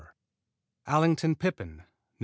Allington Pippin Nov.